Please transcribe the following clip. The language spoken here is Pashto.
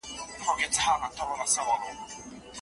آیا ولي د نا بالغ خاوند پر ځای طلاق ورکولای سي؟